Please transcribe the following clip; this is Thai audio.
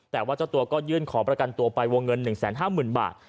และยืนยันเหมือนกันว่าจะดำเนินคดีอย่างถึงที่สุดนะครับ